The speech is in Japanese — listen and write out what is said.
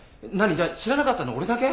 じゃあ知らなかったの俺だけ？